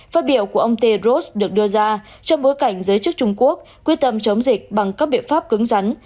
phát biểu của ông tedros được đưa ra trong bối cảnh giới chức trung quốc quyết tâm chống dịch bằng các biện pháp cứng rắn